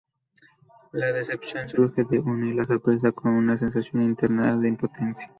La decepción surge de unir la sorpresa con una sensación interna de impotencia.